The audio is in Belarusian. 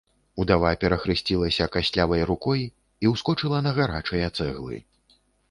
Удава перахрысцілася кастлявай рукой і ўскочыла на гарачыя цэглы.